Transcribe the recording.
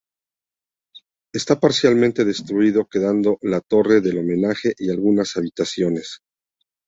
Está parcialmente destruido quedando la torre del homenaje y algunas habitaciones.